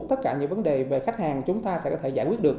tất cả những vấn đề về khách hàng chúng ta sẽ có thể giải quyết được